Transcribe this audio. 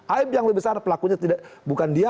aib yang lebih besar pelakunya bukan dia